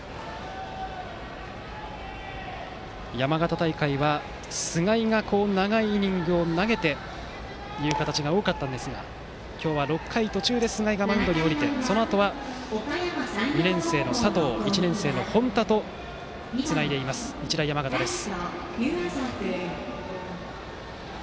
山形大会は、菅井が長いイニングを投げてという形が多かったんですが今日は６回途中で菅井がマウンドを降りてそのあとは２年生の佐藤１年生の本田とつないでいる日大山形です。